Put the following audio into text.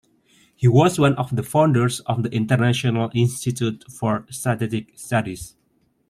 He was one of the founders of the International Institute for Strategic Studies.